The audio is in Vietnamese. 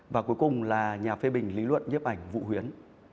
và cuối cùng là nhà phê bình lý luận nhếp ảnh vũ huyến